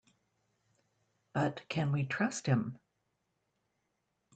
But can we trust him?